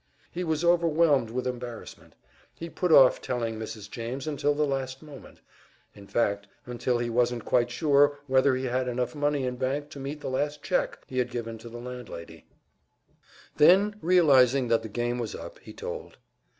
He was overwhelmed with embarrassment; he put off telling Mrs. James until the last moment in fact, until he wasn't quite sure whether he had enough money in bank to meet the last check he had given to the landlady. Then, realizing that the game was up, he told.